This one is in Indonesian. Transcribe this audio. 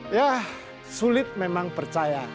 yah sulit memang percaya